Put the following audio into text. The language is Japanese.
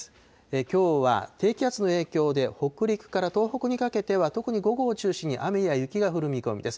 きょうは低気圧の影響で、北陸から東北にかけては、特に午後を中心に雨や雪が降る見込みです。